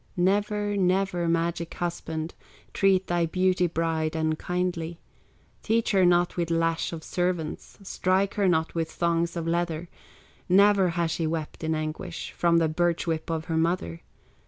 Never, never, magic husband, Treat thy beauty bride unkindly, Teach her not with lash of servants, Strike her not with thongs of leather; Never has she wept in anguish From the birch whip of her mother.